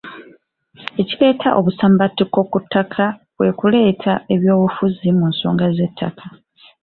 Ekireeta obusambattuko ku ttaka kwe kuleeta ebyobufuzi mu nsonga z’ettaka.